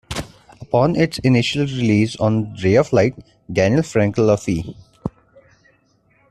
Upon its initial release on "Ray of Light", Daniel Frankel of E!